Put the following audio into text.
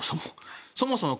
そもそも。